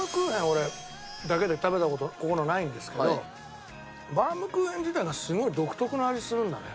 俺だけで食べた事ここのないんですけどバウムクーヘン自体がすごい独特な味するんだね。